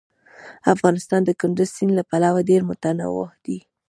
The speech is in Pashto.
افغانستان د کندز سیند له پلوه ډېر متنوع دی.